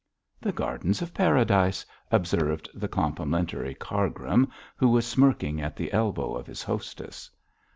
'The gardens of Paradise!' observed the complimentary Cargrim, who was smirking at the elbow of his hostess.